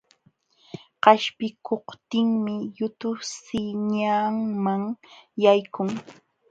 Qaspikuptinmi yutu sihñanman yaykun.